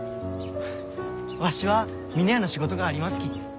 フッわしは峰屋の仕事がありますき。